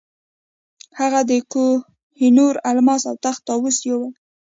هغه د کوه نور الماس او تخت طاووس یووړ.